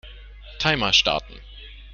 Timer starten.